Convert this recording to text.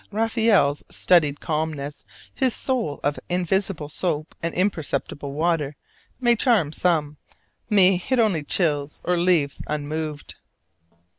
Raphael's studied calmness, his soul of "invisible soap and imperceptible water," may charm some; me it only chills or leaves unmoved.